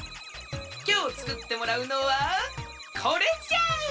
きょうつくってもらうのはこれじゃ！